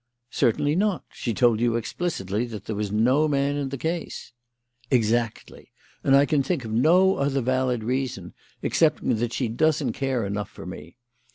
"Certainly not. She told you explicitly that there was no man in the case." "Exactly. And I can think of no other valid reason, excepting that she doesn't care enough for me.